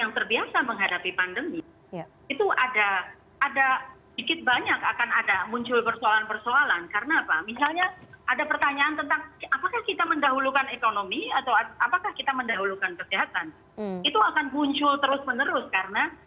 tidak salah tentu saja